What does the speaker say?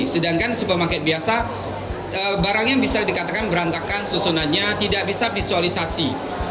sedangkan supermarket biasa barangnya bisa dikatakan berantakan susunannya tidak bisa visualisasi